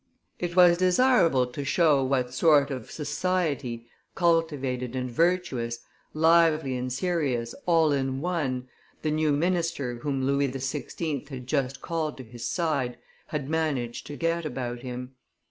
It was desirable to show what sort of society, cultivated and virtuous, lively and serious, all in one, the new minister whom Louis XVI. had just called to his side had managed to get about him.